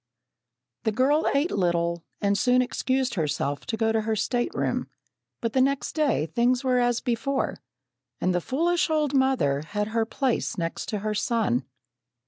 The girl ate little, and soon excused herself to go to her stateroom, but the next day things were as before, and the foolish old mother had her place next to her son.